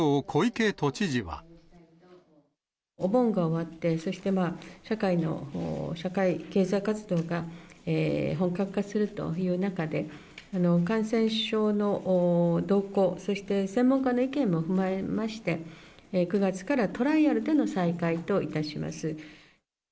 お盆が終わって、そして社会の社会経済活動が本格化するという中で、感染症の動向、そして専門家の意見も踏まえまして、９月からトライアルでの再開といたします。